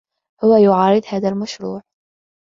هو يعارض هذا المشروع.